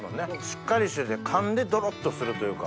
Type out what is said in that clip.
しっかりしててかんでどろっとするというか。